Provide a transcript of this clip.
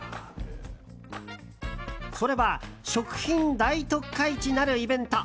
それは食品大特価市なるイベント。